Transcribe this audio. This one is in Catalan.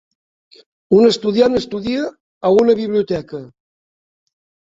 Una estudiant estudia a una biblioteca.